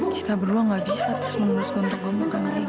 kita berdua nggak bisa terus mengurus gontok gontok gantian ini